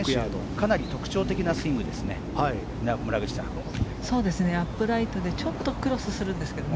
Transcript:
かなり特徴的なスイングですね。